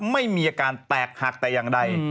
ไม่มีอาการแตกหักแต่อย่างใด